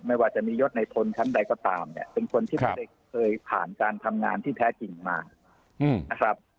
ไม่ว่าจะมียศในทนชั้นใดก็ตามเนี่ยเป็นคนที่ไม่ได้เคยผ่านการทำงานที่แท้จริงมานะครับ